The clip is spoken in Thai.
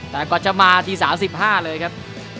แต่ก็จะมาทีสามสิบห้าเลยครับ